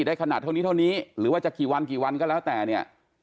ได้ขนาดเท่านี้เท่านี้หรือว่าจะกี่วันกี่วันก็แล้วแต่เนี่ย